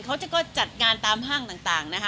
เขาก็จัดงานตามห้างต่างนะคะ